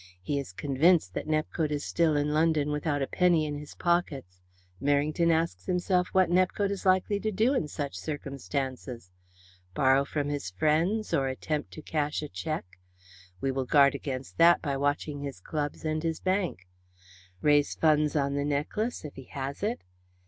He is convinced that Nepcote is still in London without a penny in his pockets. Merrington asks himself what Nepcote is likely to do in such circumstances? Borrow from his friends or attempt to cash a cheque? We will guard against that by watching his clubs and his bank. Raise funds on the necklace if he has it?